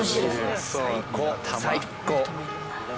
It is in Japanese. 最高！